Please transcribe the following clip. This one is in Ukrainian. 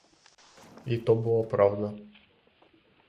І то була правда.